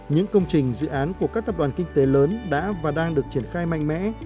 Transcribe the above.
những công trình dự án của các tập đoàn kinh tế lớn đã và đang được triển khai mạnh mẽ